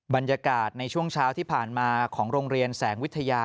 บรรยากาศในช่วงเช้าที่ผ่านมาของโรงเรียนแสงวิทยา